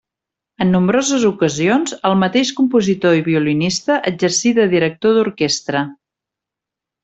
En nombroses ocasions el mateix compositor i violinista exercí de director d'orquestra.